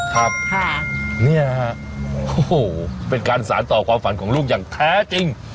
ครับค่ะเนี่ยฮะโอ้โหเป็นการสารต่อความฝันของลูกอย่างแท้จริง